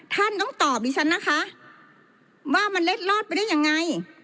ท่านต้องตอบดิฉันนะคะว่ามันเล็ดลอดไปได้ยังไง